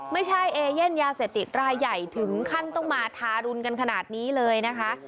ไม่ใช่เอเย่นยาเสพติดรายใหญ่ถึงขั้นต้องมาทารุณกันขนาดนี้เลยนะคะ